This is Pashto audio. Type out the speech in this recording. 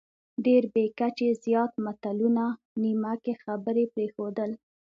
ډېر بې کچې زیات متلونه، نیمه کې خبرې پرېښودل،